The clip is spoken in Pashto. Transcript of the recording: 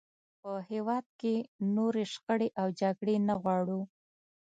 په هېواد کې نورې شخړې او جګړې نه غواړو.